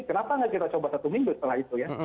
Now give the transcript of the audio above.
kenapa nggak kita coba satu minggu setelah itu ya